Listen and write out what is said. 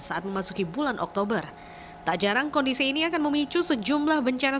saat memasuki bulan oktober tak jarang kondisi ini akan memicu sejumlah bencana